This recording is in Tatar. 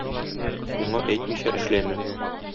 Миңа әйтмичә эшләмә.